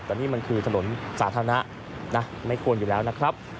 แต่นี่มันคือถนนสาธารณะนะไม่ควรอยู่แล้วนะครับ